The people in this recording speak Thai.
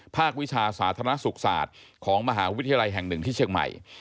วิชาสาธารณสุขศาสตร์ของมหาวิทยาลัยแห่งหนึ่งที่เชียงใหม่